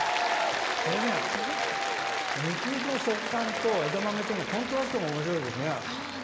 これね、肉の食感と枝豆とのコントラストがおもしろいですね。